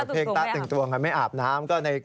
เพลงตะแต่งตัวไงไม่อาบน้ำ